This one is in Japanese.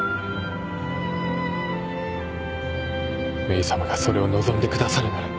メイさまがそれを望んでくださるなら。